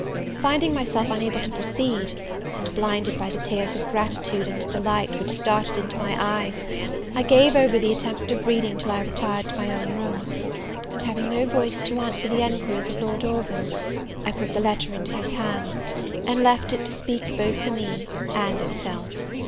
Finding myself unable to proceed, and blinded by the tears of gratitude and delight, which started into my eyes, I gave over the attempt of reading till I retired to my own room; and, having no voice to answer the enquiries of Lord Orville, I put the letter into his hands, and left it to speak both for me and itself.